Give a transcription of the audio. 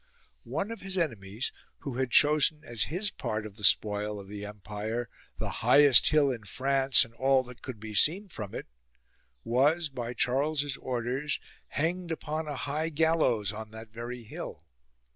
One of his enemies, who had chosen as his part of the spoil of the empire the highest hill in France and all that could be seen from it, was, by Charles's orders, hanged upon a high gallows on that very hill.